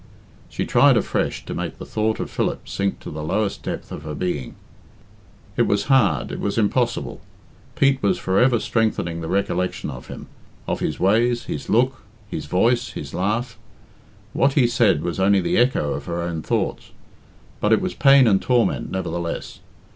She tried afresh to make the thought of Philip sink to the lowest depth of her being. It was hard it was impossible; Pete was for ever strengthening the recollection of him of his ways, his look, his voice, his laugh. What he said was only the echo of her own thoughts; but it was pain and torment, nevertheless.